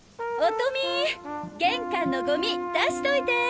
音美玄関のゴミ出しといて。